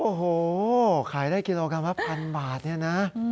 โอ้โฮขายได้กิโลกรัมละ๑๐๐๐บาทนี่นะ